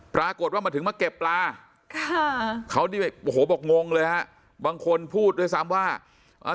ปรากฏว่ามันถึงมาเก็บปลาเขาบอกงงเลยครับบางคนพูดด้วยซ้ำว่า